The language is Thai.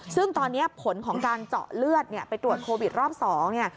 ซึ่งตอนนี้ผลของการเจาะเลือดไปตรวจโควิด๒นี่